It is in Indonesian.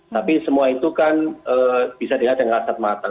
tapi semua itu kan bisa dilihat dengan kasat mata